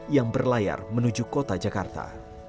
yang berlayar menuju kota jakarta